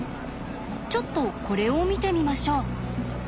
ちょっとこれを見てみましょう。